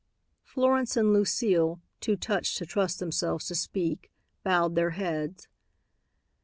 Florence and Lucile, too touched to trust themselves to speak, bowed their heads.